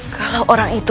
kalau orang itu